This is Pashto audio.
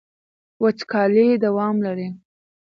وچکالي دوام لري.